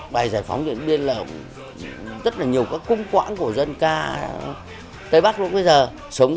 bài giải phóng địa biên là rất nhiều cung quãng của dân ca tây bắc luôn